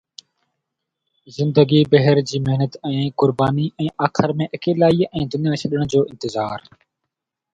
زندگي بھر جي محنت ۽ قرباني ۽ آخر ۾ اڪيلائي ۽ دنيا ڇڏڻ جو انتظار